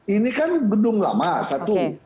ini kan gedung lama satu